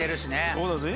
そうだぜ。